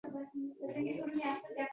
Ammo ijodga nisbatan g‘alamislik bor.